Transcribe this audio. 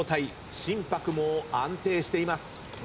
心拍も安定しています。